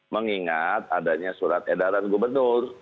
mengingat adanya surat edaran gubernur